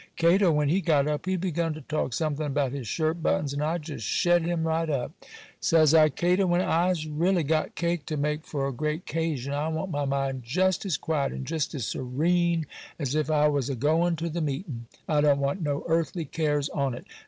Cato, when he got up, he begun to talk something about his shirt buttons, and I just shet him right up. Says I, "Cato, when I'se really got cake to make for a great 'casion, I want my mind just as quiet and just as serene as if I was agoin' to the meetin'. I don't want no earthly cares on it.